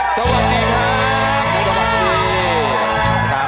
สวัสดีค่ะ